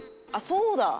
そうだ！